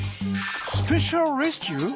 スペシャルレスキュー？